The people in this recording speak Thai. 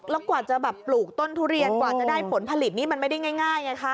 แล้วกว่าจะแบบปลูกต้นทุเรียนกว่าจะได้ผลผลิตนี่มันไม่ได้ง่ายไงคะ